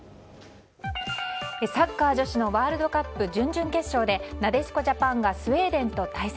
サッカー女子のワールドカップ準々決勝でなでしこジャパンがスウェーデンと対戦。